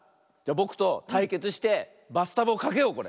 ぼくとたいけつしてバスタブをかけようこれ。